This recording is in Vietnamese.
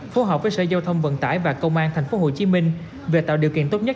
phối hợp với sở giao thông vận tải và công an tp hcm về tạo điều kiện tốt nhất